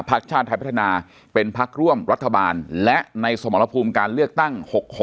ชาติไทยพัฒนาเป็นพักร่วมรัฐบาลและในสมรภูมิการเลือกตั้ง๖๖